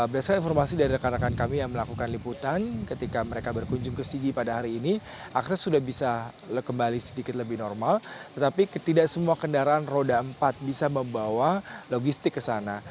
berdasarkan informasi dari rekan rekan kami yang melakukan liputan ketika mereka berkunjung ke sigi pada hari ini akses sudah bisa kembali sedikit lebih normal tetapi tidak semua kendaraan roda empat bisa membawa logistik ke sana